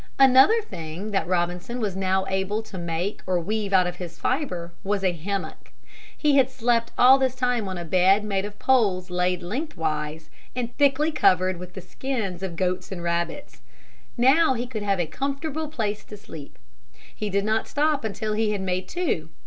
Another thing that Robinson was now able to make or weave out of his fibre was a hammock. He had slept all this time on a bed made of poles laid lengthwise and thickly covered with the skins of goats and rabbits. Now he could have a comfortable place to sleep. He did not stop until he had made two.